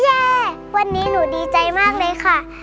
แย่วันนี้หนูดีใจมากเลยค่ะ